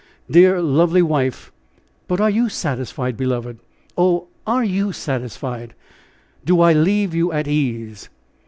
dear, lovely wife! but are you satisfied, beloved oh! are you satisfied? Do I leave you at ease?"